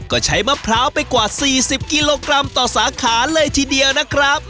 ก็ใช้มะพร้าวไปกว่า๔๐กิโลกรัมต่อสาขาเลยทีเดียวนะครับ